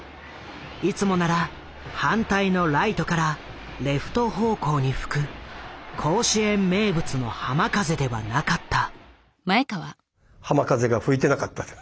いつもなら反対のライトからレフト方向に吹く甲子園名物の浜風ではなかった。